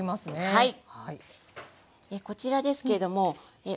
はい。